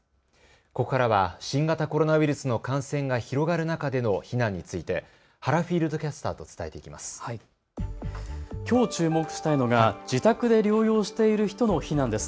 ここからは新型コロナウイルスの感染が広がる中での避難について原フィールドキャスターと伝えていきます。